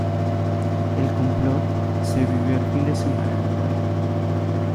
El "complot" se vivió el fin de semana en un bar.